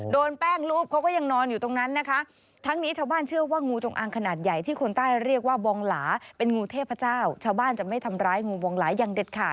โดนแป้งรูปเขาก็ยังนอนอยู่ตรงนั้นนะคะ